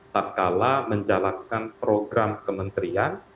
tak kalah menjalankan program kementerian